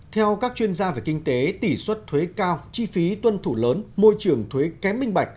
theo các chuyên gia về kinh tế tỷ suất thuế cao chi phí tuân thủ lớn môi trường thuế kém minh bạch